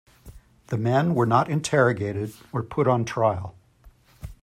The men were not interrogated or put on trial.